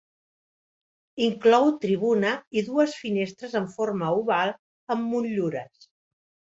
Inclou tribuna i dues finestres amb forma oval amb motllures.